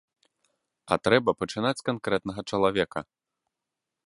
А трэба пачынаць з канкрэтнага чалавека.